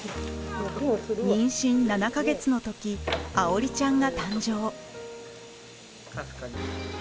妊娠７か月のとき愛織ちゃんが誕生。